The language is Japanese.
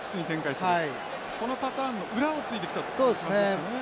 このパターンの裏をついてきたという感じですよね。